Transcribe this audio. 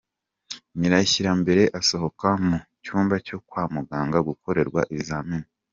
Nyirashyirambere asohoka mu cyumba cyo kwa muganga gukorerwa ibizami.